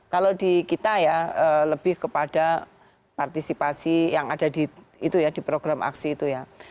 kalau di kita ya lebih kepada partisipasi yang ada di program aksi itu ya